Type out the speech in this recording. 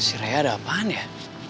si rai ada apaan ya